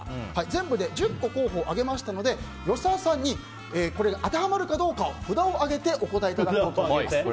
全部で１０個候補を挙げましたので吉沢さんに当てはまるかどうか札を上げてお答えいただきます。